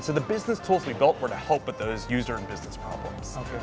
dan jadi alat bisnis yang kita bina adalah untuk membantu dengan masalah bisnis dan pengguna